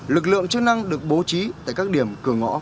lực lượng chức năng được bố trí tại các điểm cửa ngõ